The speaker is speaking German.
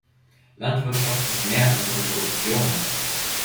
Landwirtschaft ist mehr als nur Produktion.